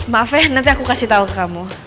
maafin nanti aku kasih tau ke kamu